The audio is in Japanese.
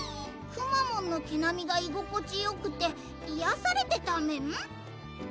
くまモンの毛なみが居心地よくていやされてたメン？